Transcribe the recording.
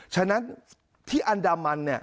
ฉะนั้นที่อันดามัน